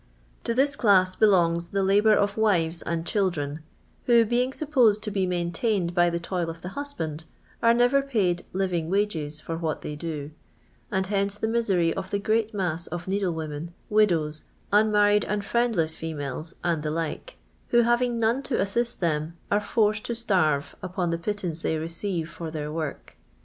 To ^is clAss belongs the labour of wives and chQ dren, who, being supposed to be maintained by the toil of the husband, are never paid " living wages" for what they do ; and hence the misery of the great mass of needlewomen, widoTvs, un married and friendless females, and the like, who, having none to assist them, are forced to starve upon the pittance they receive for their work.